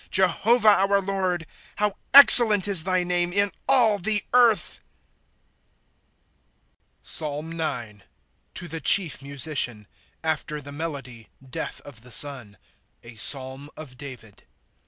'■' Jehovah, our Lord, How excellent is thy name in all the earth ! PSALM IX. To tlio chief MuHician. After [the tiiclody] " Death of the Sou." A Psalm of David.